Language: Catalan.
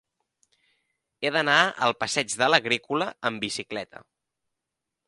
He d'anar al passeig de l'Agrícola amb bicicleta.